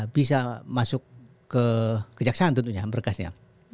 bisa masuk ke kejaksaan tentunya berkasnya